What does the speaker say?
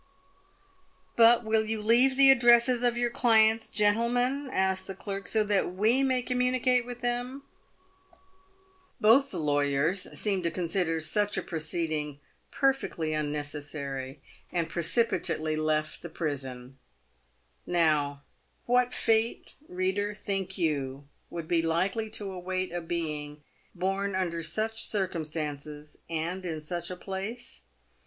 " But will you leave the addresses of your clients, gentlemen," asked the clerk, " so that we may communicate with them ?" Both the lawyers seemed to consider such a proceeding perfectly unnecessary, and precipitately left the prison. Now what fate, reader, think you, would be likely to await a being born under such circumstances, and in such a place